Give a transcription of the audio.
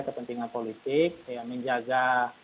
kepentingan politik ya menjaga